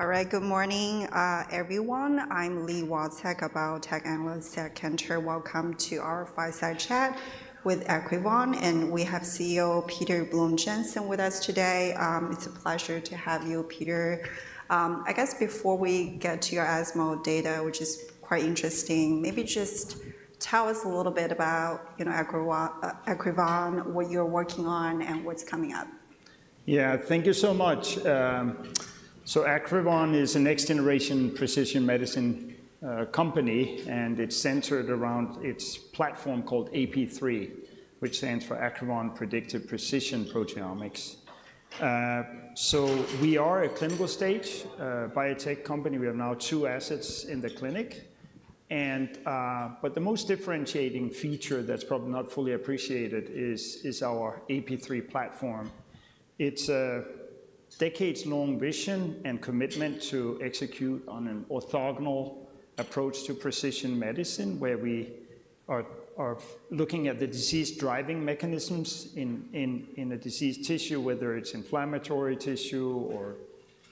All right. Good morning, everyone. I'm Li Watsek, a biotech analyst at Cantor. Welcome to our Fireside Chat with Akrivon, and we have CEO Peter Blume-Jensen with us today. It's a pleasure to have you, Peter. I guess before we get to your ESMO data, which is quite interesting, maybe just tell us a little bit about, you know, Akrivon, what you're working on, and what's coming up. Yeah, thank you so much. So Akrivon is a next-generation precision medicine company, and it's centered around its platform called AP3, which stands for Akrivon Predictive Precision Proteomics. So we are a clinical stage biotech company. We have now two assets in the clinic, and but the most differentiating feature that's probably not fully appreciated is our AP3 platform. It's a decades-long vision and commitment to execute on an orthogonal approach to precision medicine, where we are looking at the disease-driving mechanisms in a diseased tissue, whether it's inflammatory tissue or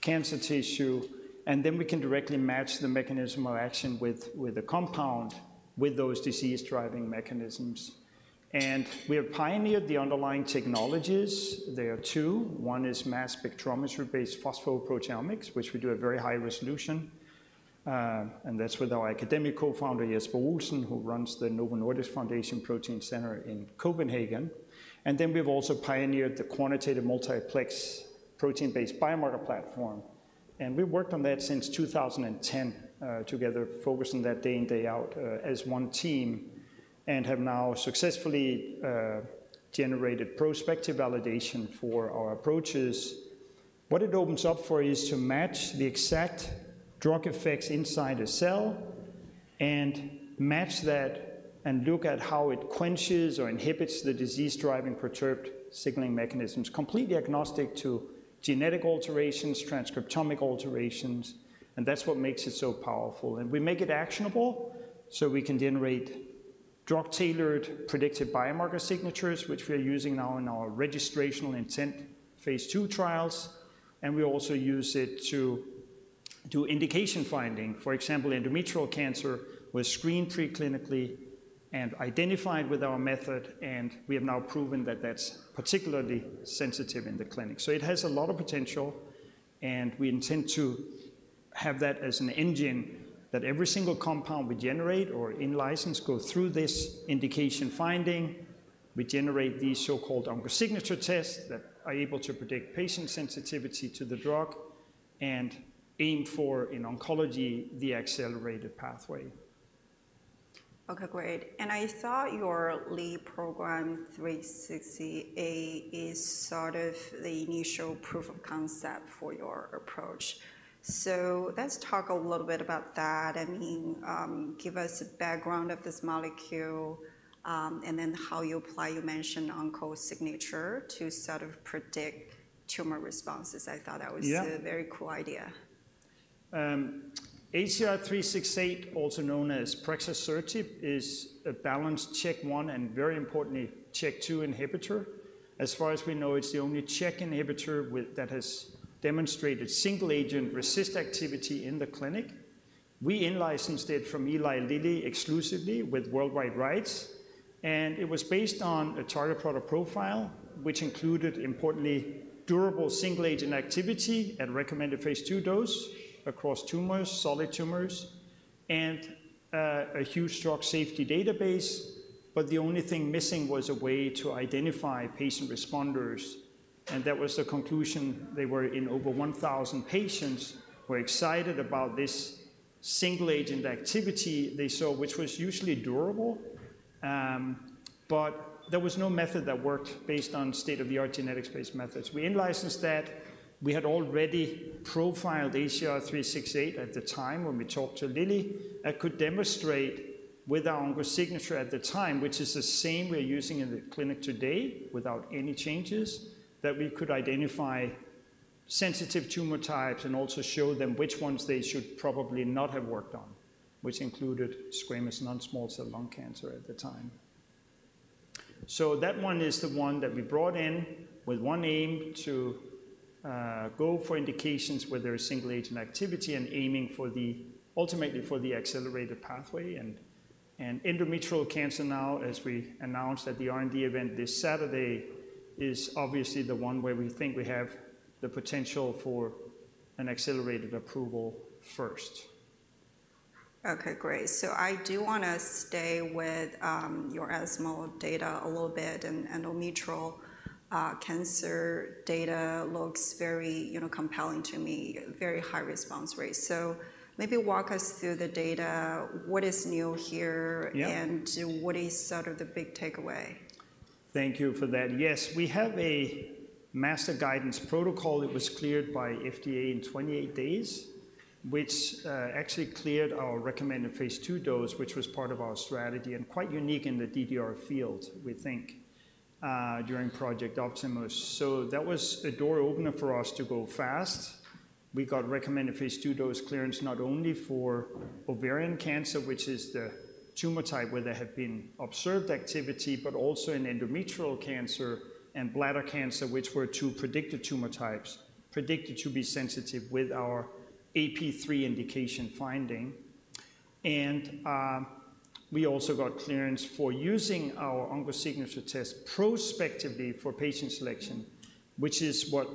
cancer tissue, and then we can directly match the mechanism of action with a compound with those disease-driving mechanisms, and we have pioneered the underlying technologies. There are two. One is mass spectrometry-based phosphoproteomics, which we do at very high resolution, and that's with our academic co-founder, Jesper Olsen, who runs the Novo Nordisk Foundation Center for Protein Research in Copenhagen. And then we've also pioneered the quantitative multiplex protein-based biomarker platform, and we've worked on that since 2010, together, focusing on that day in, day out, as one team, and have now successfully generated prospective validation for our approaches. What it opens up for is to match the exact drug effects inside a cell and match that and look at how it quenches or inhibits the disease-driving perturbed signaling mechanisms, completely agnostic to genetic alterations, transcriptomic alterations, and that's what makes it so powerful. And we make it actionable, so we can generate drug-tailored predicted biomarker signatures, which we are using now in our registrational intent phase 2 trials, and we also use it to do indication finding. For example, endometrial cancer was screened preclinically and identified with our method, and we have now proven that that's particularly sensitive in the clinic. So it has a lot of potential, and we intend to have that as an engine that every single compound we generate or in-license go through this indication finding. We generate these so-called OncoSignature tests that are able to predict patient sensitivity to the drug and aim for, in oncology, the accelerated pathway. Okay, great. And I saw your lead program, 368, is sort of the initial proof of concept for your approach. So let's talk a little bit about that. I mean, give us a background of this molecule, and then how you apply. You mentioned OncoSignature to sort of predict tumor responses. I thought that was- Yeah... a very cool idea. ACR368, also known as prexasertib, is a balanced CHEK1 and, very importantly, CHEK2 inhibitor. As far as we know, it's the only CHEK inhibitor that has demonstrated single-agent response activity in the clinic. We in-licensed it from Eli Lilly exclusively with worldwide rights, and it was based on a target product profile, which included, importantly, durable single-agent activity at recommended phase 2 dose across tumors, solid tumors, and a huge drug safety database. But the only thing missing was a way to identify patient responders, and that was the conclusion. They were in over one thousand patients, were excited about this single-agent activity they saw, which was usually durable, but there was no method that worked based on state-of-the-art genetics-based methods. We in-licensed that. We had already profiled ACR368 at the time when we talked to Lilly, and could demonstrate with our OncoSignature at the time, which is the same we're using in the clinic today, without any changes, that we could identify sensitive tumor types and also show them which ones they should probably not have worked on, which included squamous non-small cell lung cancer at the time. So that one is the one that we brought in with one aim, to go for indications where there is single-agent activity and aiming ultimately for the accelerated pathway. And endometrial cancer now, as we announced at the R&D event this Saturday, is obviously the one where we think we have the potential for an accelerated approval first. Okay, great. So I do wanna stay with your ESMO data a little bit, and endometrial cancer data looks very, you know, compelling to me, very high response rate. So maybe walk us through the data. What is new here? Yeah... and what is sort of the big takeaway? Thank you for that. Yes, we have a master guidance protocol. It was cleared by FDA in 28 days, which actually cleared our recommended phase 2 dose, which was part of our strategy and quite unique in the DDR field, we think, during Project Optimus. So that was a door opener for us to go fast. We got recommended phase 2 dose clearance, not only for ovarian cancer, which is the tumor type where there have been observed activity, but also in endometrial cancer and bladder cancer, which were two predicted tumor types predicted to be sensitive with our AP3 indication finding, and we also got clearance for using our OncoSignature test prospectively for patient selection, which is what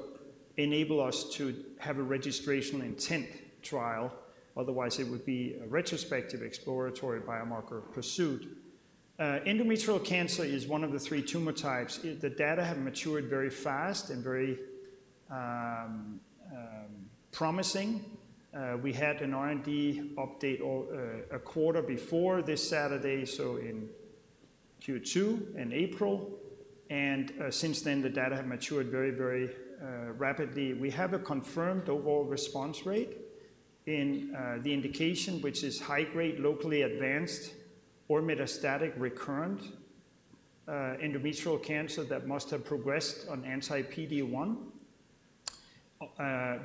enable us to have a registration intent trial. Otherwise, it would be a retrospective exploratory biomarker pursuit. Endometrial cancer is one of the three tumor types. The data have matured very fast and very promising. We had an R&D update all a quarter before this Saturday, so in Q2 in April, and since then, the data have matured very, very rapidly. We have a confirmed overall response rate in the indication, which is high-grade, locally advanced or metastatic recurrent endometrial cancer that must have progressed on anti-PD-1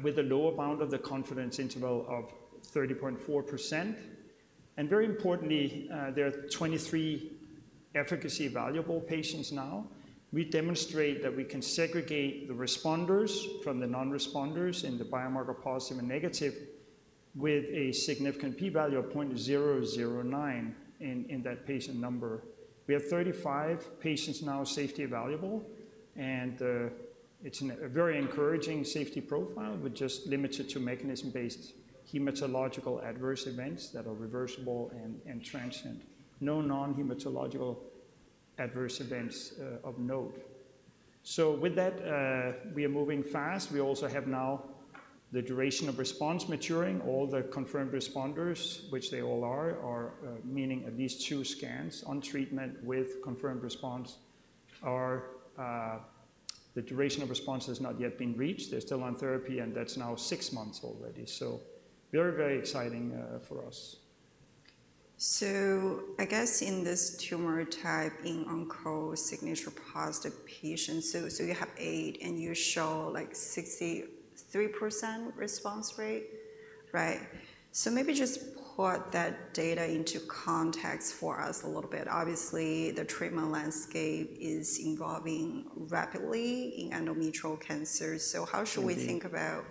with a lower bound of the confidence interval of 30.4%, and very importantly, there are 23 efficacy evaluable patients now. We demonstrate that we can segregate the responders from the non-responders in the biomarker positive and negative with a significant p-value of 0.009 in that patient number. We have 35 patients now safety evaluable, and it's a very encouraging safety profile, with just limited to mechanism-based hematological adverse events that are reversible and transient. No non-hematological adverse events of note. So with that, we are moving fast. We also have now the duration of response maturing. All the confirmed responders, which they all are, are... Meaning, at least two scans on treatment with confirmed response, are the duration of response has not yet been reached. They're still on therapy, and that's now 6 months already, so very, very exciting for us. I guess in this tumor type, in OncoSignature-positive patients, so you have eight, and you show, like, 63% response rate, right? Maybe just put that data into context for us a little bit. Obviously, the treatment landscape is evolving rapidly in endometrial cancer. Mm-hmm. How should we think about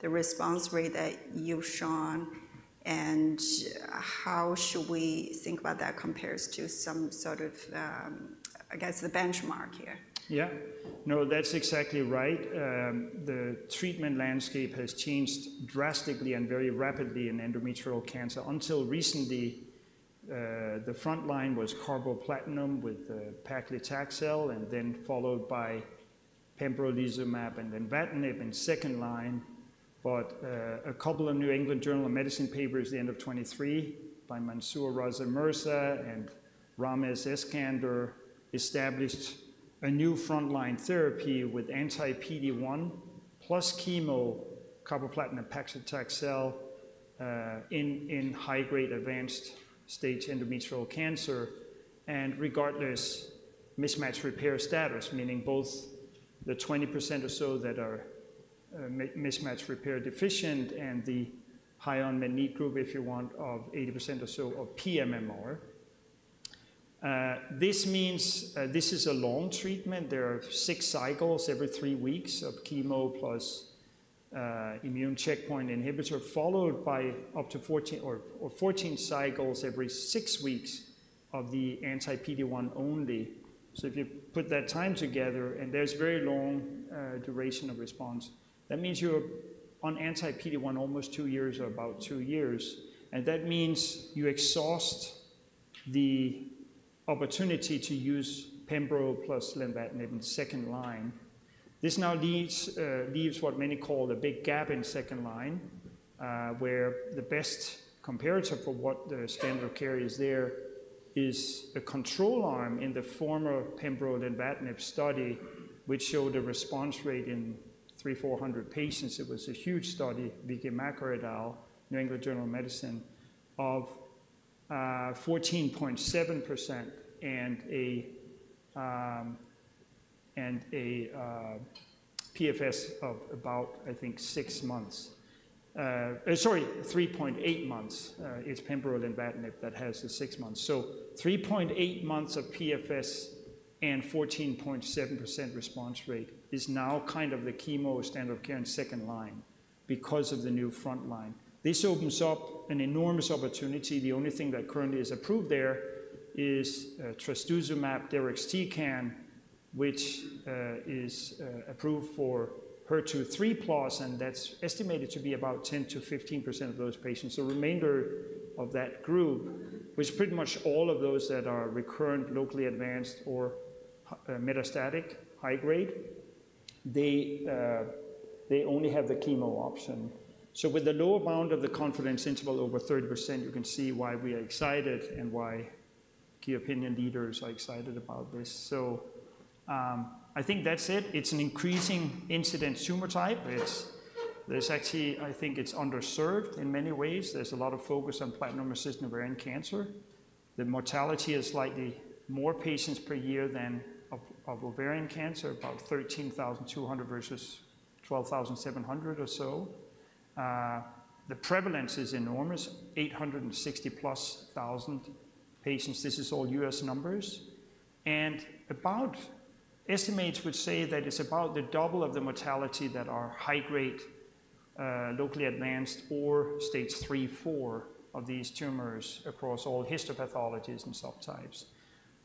the response rate that you've shown, and how should we think about that compares to some sort of, I guess, the benchmark here? Yeah. No, that's exactly right. The treatment landscape has changed drastically and very rapidly in endometrial cancer. Until recently, the frontline was carboplatin with paclitaxel, and then followed by pembrolizumab and then nivolumab in second line. But a couple of New England Journal of Medicine papers at the end of 2023 by Mansoor Raza Mirza and Ramez Eskander established a new frontline therapy with anti-PD-1 plus chemo, carboplatin and paclitaxel in high-grade advanced stage endometrial cancer, and regardless mismatch repair status, meaning both the 20% or so that are mismatch repair deficient and the high unmet need group, if you want, of 80% or so of pMMR. This means this is a long treatment. There are six cycles every three weeks of chemo plus immune checkpoint inhibitor, followed by up to 14 cycles every six weeks of the anti-PD-1 only. So if you put that time together, and there's very long duration of response, that means you're on anti-PD-1 almost two years or about two years, and that means you exhaust the opportunity to use pembro plus lenvatinib in second line. This now leaves what many call the big gap in second line, where the best comparator for what the standard of care is there is a control arm in the former pembro lenvatinib study, which showed a response rate in 300-400 patients. It was a huge study, Vicky Makker, New England Journal of Medicine, of fourteen point seven percent and a PFS of about, I think, six months. Sorry, three point eight months. It's pembro lenvatinib that has the six months. So three point eight months of PFS and fourteen point seven percent response rate is now kind of the chemo standard of care in second line because of the new front line. This opens up an enormous opportunity. The only thing that currently is approved there is trastuzumab deruxtecan, which is approved for HER2 three plus, and that's estimated to be about 10%-15% of those patients. The remainder of that group, which pretty much all of those that are recurrent, locally advanced or metastatic high grade, they only have the chemo option. So with the lower bound of the confidence interval over 30%, you can see why we are excited and why key opinion leaders are excited about this. So, I think that's it. It's an increasing incidence tumor type. It's. There's actually I think it's underserved in many ways. There's a lot of focus on platinum-resistant ovarian cancer. The mortality is slightly more patients per year than ovarian cancer, about 13,200 versus 12,700 or so. The prevalence is enormous, 860,000+ patients. This is all U.S. numbers and about, estimates would say that it's about the double of the mortality that are high grade, locally advanced or stage 3, 4 of these tumors across all histopathologies and subtypes.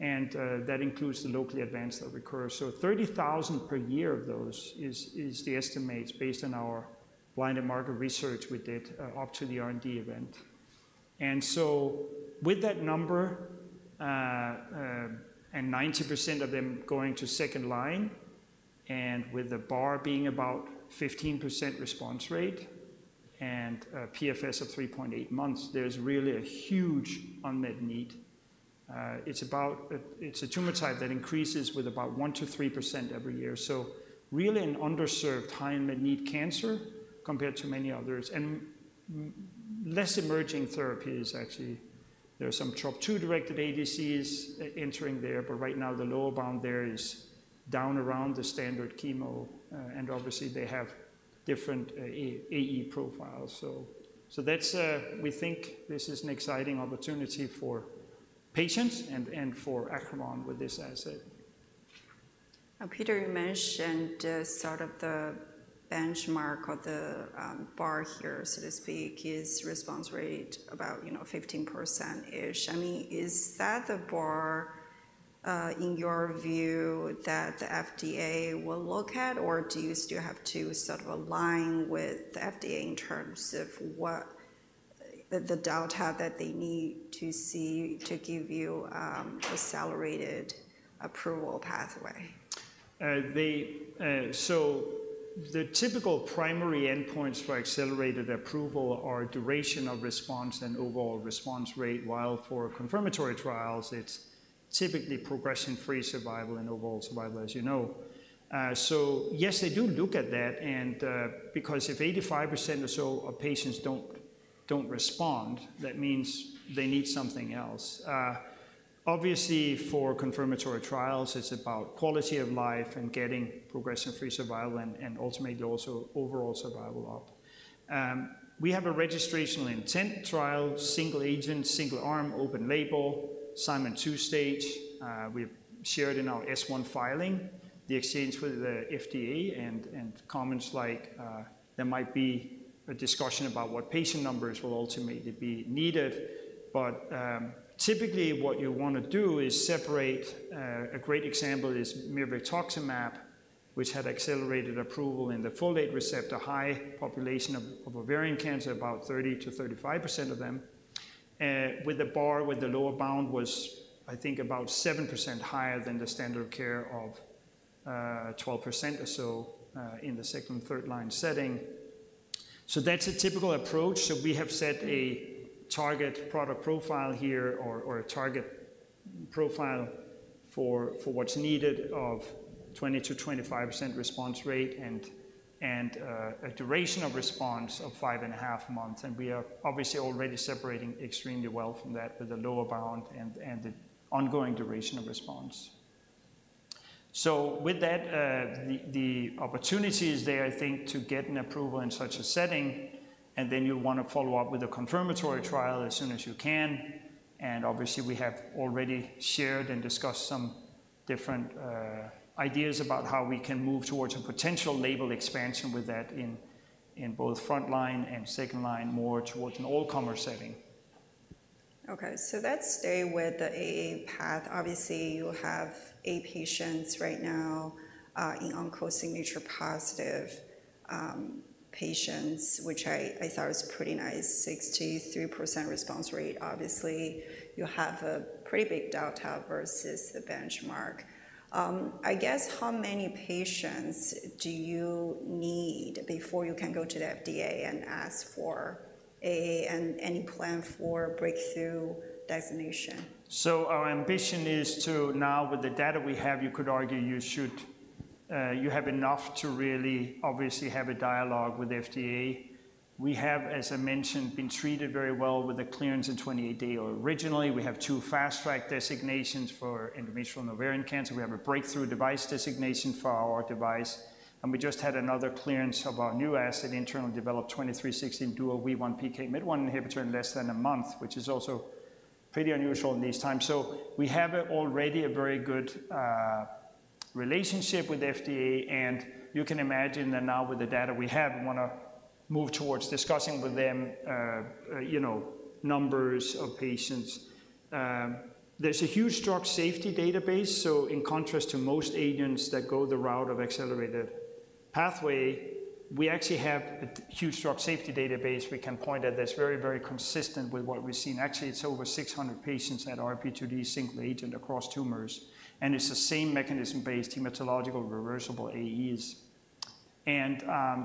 And, that includes the locally advanced that recur. So 30,000 per year of those is the estimates based on our blind and market research we did up to the R&D event. With that number, and 90% of them going to second line, and with the bar being about 15% response rate and a PFS of 3.8 months, there's really a huge unmet need. It's about, it's a tumor type that increases with about 1% to 3% every year. Really an underserved, high unmet need cancer compared to many others, and less emerging therapies, actually. There are some Trop-2 directed ADCs entering there, but right now the lower bound there is down around the standard chemo, and obviously they have different, AE profiles. So, that's, we think this is an exciting opportunity for patients and for Akrivon with this asset. Now, Peter, you mentioned, sort of the benchmark or the bar here, so to speak, is response rate about, you know, 15%-ish. I mean, is that the bar, in your view, that the FDA will look at? Or do you still have to sort of align with the FDA in terms of what the data that they need to see to give you, accelerated approval pathway? So the typical primary endpoints for accelerated approval are duration of response and overall response rate, while for confirmatory trials, it's typically progression-free survival and overall survival, as you know. So yes, they do look at that, and because if 85% or so of patients don't respond, that means they need something else. Obviously, for confirmatory trials, it's about quality of life and getting progression-free survival and ultimately also overall survival up. We have a registrational intent trial, single agent, single arm, open label, Simon two-stage. We've shared in our S-1 filing, the exchange with the FDA and comments like there might be a discussion about what patient numbers will ultimately be needed. But typically, what you want to do is separate. A great example is mirvetuximab, which had accelerated approval in the folate receptor high population of ovarian cancer, about 30-35% of them, with the lower bound was, I think, about 7% higher than the standard of care of 12% or so in the second and third line setting. That's a typical approach. We have set a target product profile here or a target profile for what's needed of 20-25% response rate and a duration of response of five and a half months. We are obviously already separating extremely well from that with the lower bound and the ongoing duration of response. So with that, the opportunity is there, I think, to get an approval in such a setting, and then you'll want to follow up with a confirmatory trial as soon as you can. And obviously, we have already shared and discussed some different ideas about how we can move towards a potential label expansion with that in both front line and second line, more towards an all-comer setting. Okay, so let's stay with the AA path. Obviously, you have eight patients right now in OncoSignature positive patients, which I thought was pretty nice, 63% response rate. Obviously, you have a pretty big delta versus the benchmark. I guess, how many patients do you need before you can go to the FDA and ask for AA and any plan for breakthrough designation? So our ambition is to now, with the data we have, you could argue you should you have enough to really obviously have a dialogue with FDA. We have, as I mentioned, been treated very well with the clearance in 28-day originally. We have two Fast Track designations for endometrial and ovarian cancer. We have a breakthrough device designation for our device, and we just had another clearance of our new asset, internally developed 2316 and dual WEE1 PKMYT1 inhibitor in less than a month, which is also pretty unusual in these times. So we have already a very good relationship with FDA, and you can imagine that now with the data we have, we wanna move towards discussing with them you know numbers of patients. There's a huge drug safety database, so in contrast to most agents that go the route of accelerated pathway, we actually have a huge drug safety database we can point at that's very, very consistent with what we've seen. Actually, it's over 600 patients at RP2D single agent across tumors, and it's the same mechanism-based hematological reversible AEs.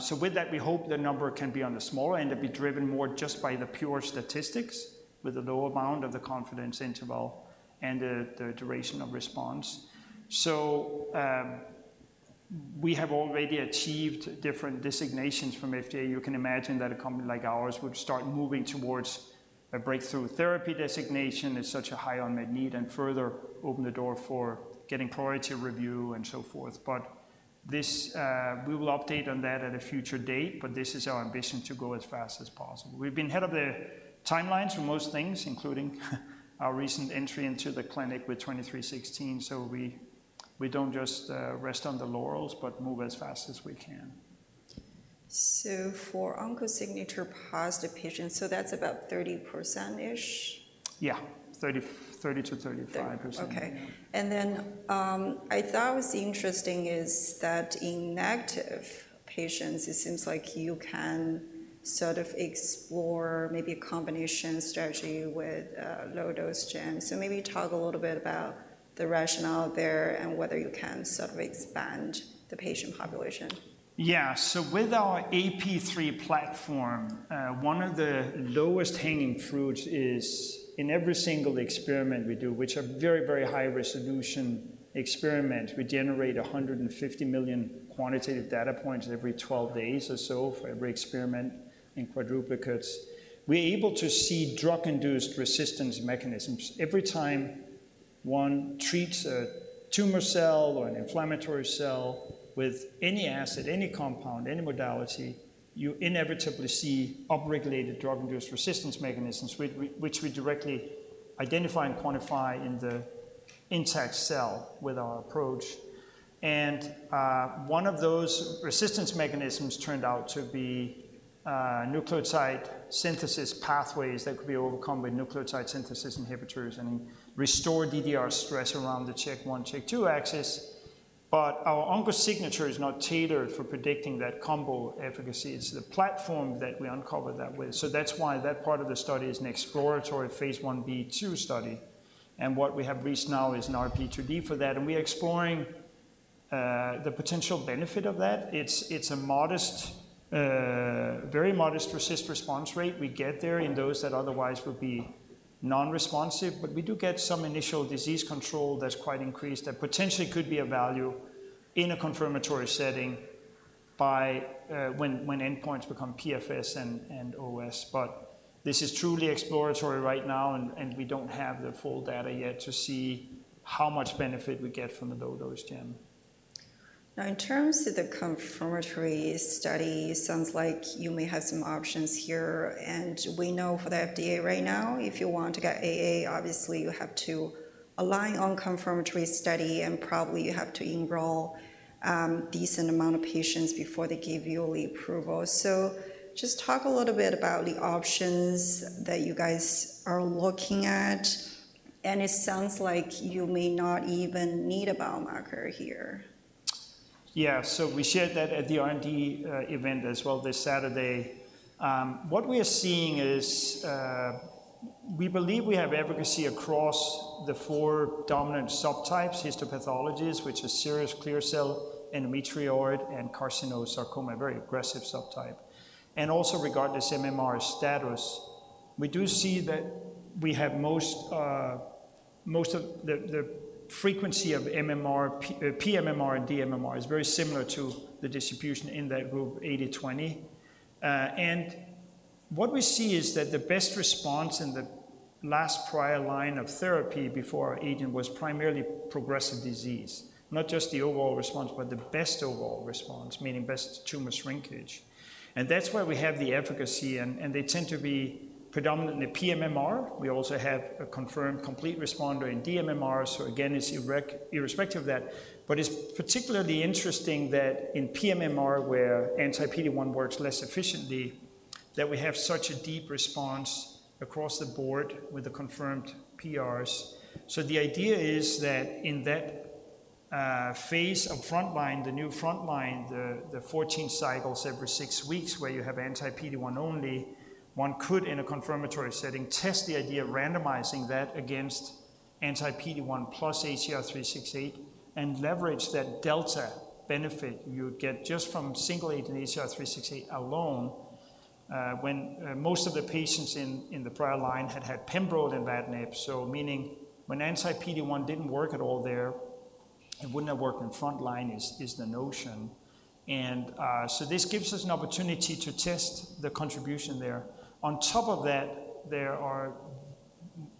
So with that, we hope the number can be on the smaller end and be driven more just by the pure statistics, with the lower bound of the confidence interval and the duration of response. So we have already achieved different designations from FDA. You can imagine that a company like ours would start moving towards a breakthrough therapy designation. It's such a high unmet need, and further open the door for getting priority review and so forth. But... This, we will update on that at a future date, but this is our ambition to go as fast as possible. We've been ahead of the timelines for most things, including our recent entry into the clinic with twenty-three sixteen. So we don't just rest on the laurels, but move as fast as we can. For OncoSignature-positive patients, so that's about 30%-ish? Yeah, 30, 30-35%. Okay. And then, I thought was interesting is that in negative patients, it seems like you can sort of explore maybe a combination strategy with low-dose GEM. So maybe talk a little bit about the rationale there and whether you can sort of expand the patient population. Yeah. So with our AP3 platform, one of the lowest hanging fruits is in every single experiment we do, which are very, very high resolution experiments. We generate 150 million quantitative data points every 12 days or so for every experiment in quadruplicates. We're able to see drug-induced resistance mechanisms. Every time one treats a tumor cell or an inflammatory cell with any asset, any compound, any modality, you inevitably see upregulated drug-induced resistance mechanisms, which we directly identify and quantify in the intact cell with our approach. And one of those resistance mechanisms turned out to be nucleotide synthesis pathways that could be overcome with nucleotide synthesis inhibitors and restore DDR stress around the CHEK1/CHEK2 axis. But our OncoSignature is not tailored for predicting that combo efficacy. It's the platform that we uncover that with. So that's why that part of the study is an exploratory phase 1b study, and what we have reached now is an RP2D for that, and we are exploring the potential benefit of that. It's a modest, very modest RECIST response rate we get there in those that otherwise would be non-responsive. But we do get some initial disease control that's quite increased, that potentially could be a value in a confirmatory setting by when endpoints become PFS and OS. But this is truly exploratory right now, and we don't have the full data yet to see how much benefit we get from the low-dose GEM. Now, in terms of the confirmatory study, sounds like you may have some options here, and we know for the FDA right now, if you want to get AA, obviously, you have to align on confirmatory study, and probably you have to enroll decent amount of patients before they give you the approval. So just talk a little bit about the options that you guys are looking at, and it sounds like you may not even need a biomarker here. Yeah, so we shared that at the R&D event as well, this Saturday. What we are seeing is we believe we have efficacy across the four dominant subtypes, histopathologies, which is serous, clear cell, endometrioid, and carcinosarcoma, a very aggressive subtype, and also regardless MMR status. We do see that we have most of the frequency of MMR, pMMR and dMMR is very similar to the distribution in that group 80/20. And what we see is that the best response in the last prior line of therapy before our agent was primarily progressive disease. Not just the overall response, but the best overall response, meaning best tumor shrinkage, and that's where we have the efficacy, and they tend to be predominantly pMMR. We also have a confirmed complete responder in dMMR, so again, it's irrespective of that. But it's particularly interesting that in pMMR, where anti-PD-1 works less efficiently, that we have such a deep response across the board with the confirmed PRs. So the idea is that in that phase of frontline, the new frontline, the 14 cycles every six weeks where you have anti-PD-1 only, one could, in a confirmatory setting, test the idea of randomizing that against anti-PD-1 plus ACR-368 and leverage that delta benefit you would get just from single agent ACR-368 alone, when most of the patients in the prior line had had pembro and nab-paclitaxel. So meaning, when anti-PD-1 didn't work at all there, it wouldn't have worked in frontline is the notion. And so this gives us an opportunity to test the contribution there. On top of that, there are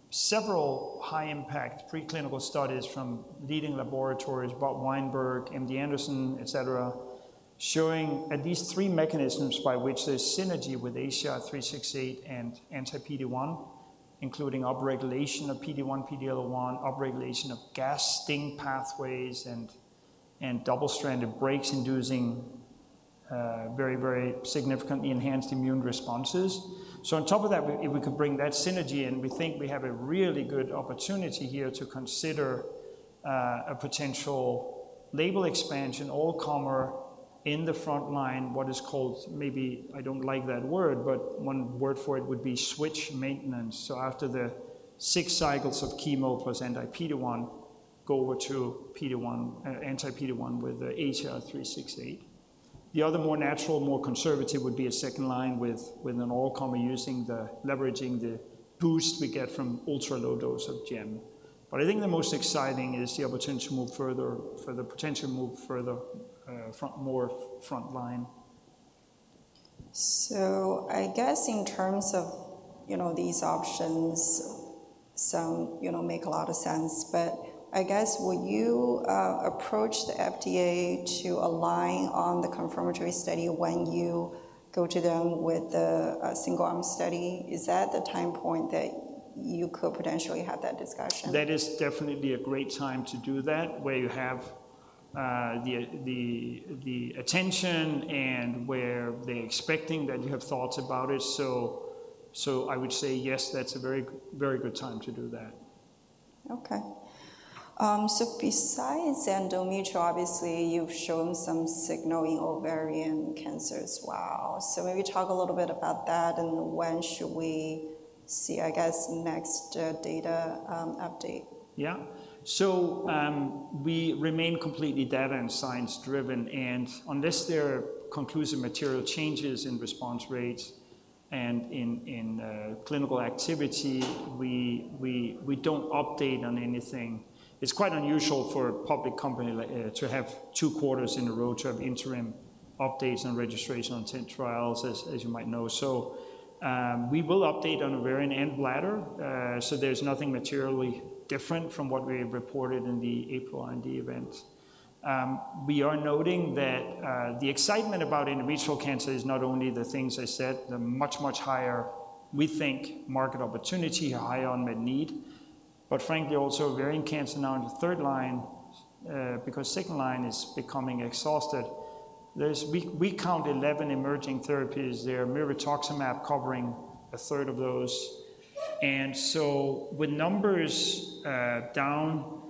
several high-impact preclinical studies from leading laboratories, Bob Weinberg, MD Anderson, et cetera, showing at least three mechanisms by which there's synergy with ACR-368 and anti-PD-1, including upregulation of PD-1, PD-L1, upregulation of cGAS-STING pathways, and double-stranded breaks inducing very, very significantly enhanced immune responses. So on top of that, if we could bring that synergy in, we think we have a really good opportunity here to consider a potential label expansion, all-comer in the frontline, what is called, maybe I don't like that word, but one word for it would be switch maintenance. So after the six cycles of chemo plus anti-PD-1, go over to anti-PD-1 with the ACR-368. The other more natural, more conservative would be a second line with an all-comer leveraging the boost we get from ultra-low dose of GEM. But I think the most exciting is the opportunity to move further, for the potential to move further, front, more frontline.... So I guess in terms of, you know, these options, some, you know, make a lot of sense. But I guess would you approach the FDA to align on the confirmatory study when you go to them with the single arm study? Is that the time point that you could potentially have that discussion? That is definitely a great time to do that, where you have the attention and where they're expecting that you have thoughts about it. So I would say yes, that's a very, very good time to do that. Okay. So besides endometrial, obviously, you've shown some signal in ovarian cancer as well. So maybe talk a little bit about that and when should we see, I guess, next, data, update? Yeah. So, we remain completely data and science driven, and unless there are conclusive material changes in response rates and in clinical activity, we don't update on anything. It's quite unusual for a public company like to have two quarters in a row to have interim updates on registration on 10 trials, as you might know. So, we will update on ovarian and bladder, so there's nothing materially different from what we reported in the April R&D event. We are noting that the excitement about endometrial cancer is not only the things I said, the much, much higher, we think, market opportunity, high unmet need, but frankly, also ovarian cancer now in the third line, because second line is becoming exhausted. There's we count 11 emerging therapies there, mirvetuximab covering a third of those. And so with numbers down,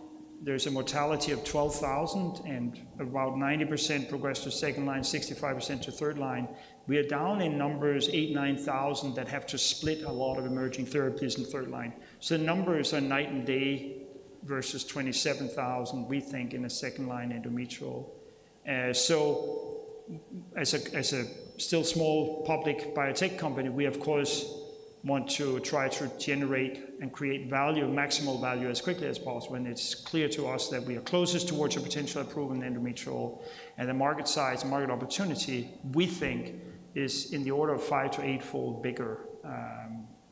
there's a mortality of 12,000 and about 90% progress to second-line, 65% to third-line. We are down in numbers 8,000-9,000 that have to split a lot of emerging therapies in third-line. So the numbers are night and day versus 27,000, we think, in a second-line endometrial. So as a still small public biotech company, we, of course, want to try to generate and create value, maximal value as quickly as possible when it's clear to us that we are closest towards a potential approval in endometrial, and the market size, market opportunity, we think, is in the order of five- to eightfold bigger,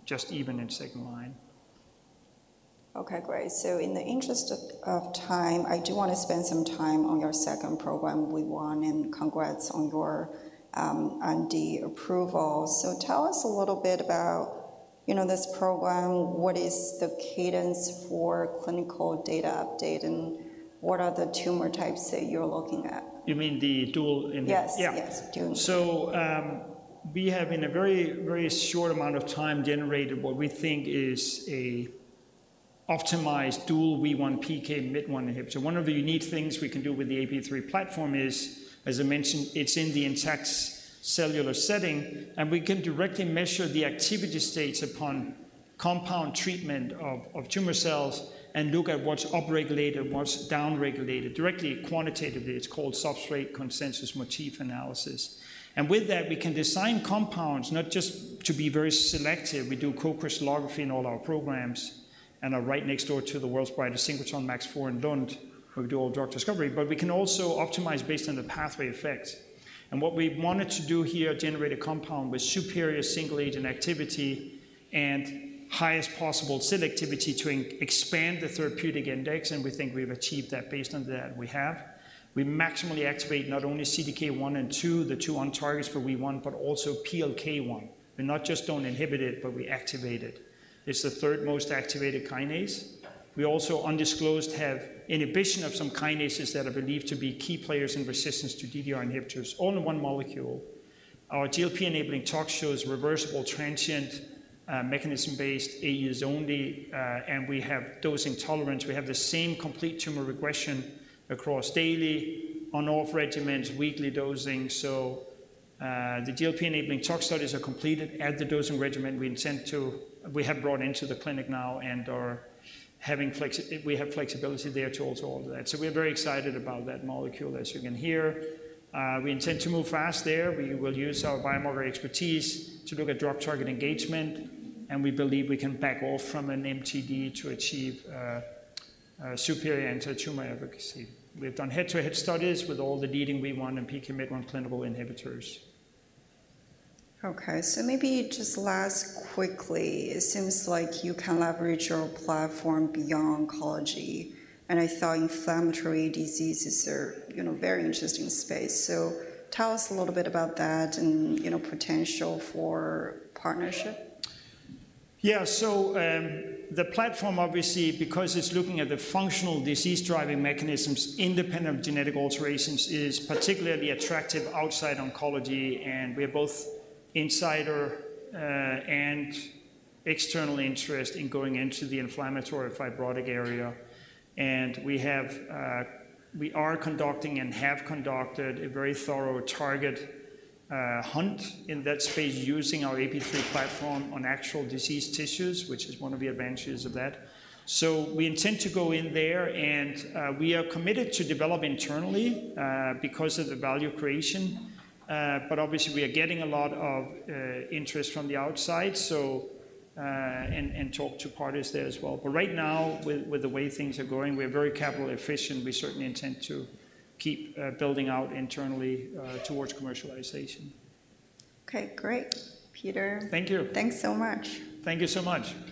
just even in second-line. Okay, great. So in the interest of time, I do want to spend some time on your second program, WEE1, and congrats on your IND approval. So tell us a little bit about, you know, this program, what is the cadence for clinical data update, and what are the tumor types that you're looking at? You mean the dual in the- Yes. Yeah. Yes, dual. We have, in a very, very short amount of time, generated what we think is an optimized dual WEE1/PKMYT1 inhibitor. One of the unique things we can do with the AP3 platform is, as I mentioned, it's in the intact cellular setting, and we can directly measure the activity states upon compound treatment of tumor cells and look at what's upregulated, what's downregulated, directly, quantitatively. It's called substrate consensus motif analysis. With that, we can design compounds, not just to be very selective. We do cocrystallography in all our programs and are right next door to the world's brightest synchrotron, MAX IV, in Lund, where we do all drug discovery, and we can also optimize based on the pathway effect. What we wanted to do here, generate a compound with superior single agent activity and highest possible selectivity to expand the therapeutic index, and we think we've achieved that. Based on the data we have, we maximally activate not only CDK1 and 2, the two on targets for WEE1, but also PLK1. We not just don't inhibit it, but we activate it. It's the third most activated kinase. We also, undisclosed, have inhibition of some kinases that are believed to be key players in resistance to DDR inhibitors, all in one molecule. Our GLP-enabling tox shows reversible, transient, mechanism-based AEs only, and we have dosing tolerance. We have the same complete tumor regression across daily, on/off regimens, weekly dosing. The GLP-enabling tox studies are completed at the dosing regimen we have brought into the clinic now and are having flexibility there to also all of that. We are very excited about that molecule, as you can hear. We intend to move fast there. We will use our biomarker expertise to look at drug target engagement, and we believe we can back off from an MTD to achieve superior anti-tumor efficacy. We've done head-to-head studies with all the leading WEE1 and PKMYT1 clinical inhibitors. Okay, so maybe just last, quickly, it seems like you can leverage your platform beyond oncology, and I thought inflammatory diseases are, you know, very interesting space. So tell us a little bit about that and, you know, potential for partnership. Yeah. So, the platform, obviously, because it's looking at the functional disease-driving mechanisms, independent genetic alterations, is particularly attractive outside oncology, and we have both inside, and external interest in going into the inflammatory fibrotic area. And we have, we are conducting and have conducted a very thorough target hunt in that space using our AP3 platform on actual disease tissues, which is one of the advantages of that. So we intend to go in there, and we are committed to develop internally, because of the value creation, but obviously, we are getting a lot of interest from the outside, so and talk to parties there as well. But right now, with the way things are going, we are very capital efficient. We certainly intend to keep building out internally, towards commercialization. Okay, great, Peter. Thank you. Thanks so much. Thank you so much.